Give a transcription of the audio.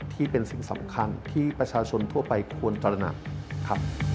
ที่เป็นสิ่งสำคัญที่ประชาชนทั่วไปควรตระหนักครับ